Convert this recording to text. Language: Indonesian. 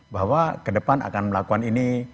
bahwa ke depan akan melakukan ini